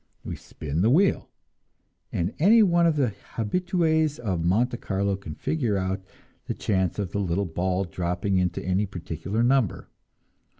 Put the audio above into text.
We spin the wheel, and any one of the habitues of Monte Carlo can figure out the chance of the little ball dropping into any particular number.